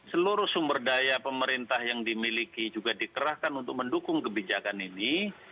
seluruh sumber daya pemerintah yang dimiliki juga dikerahkan untuk mendukung kebijakan ini